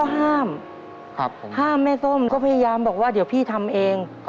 ห้ามห้ามแม่ส้มก็พยายามบอกว่าเดี๋ยวพี่ทำเอง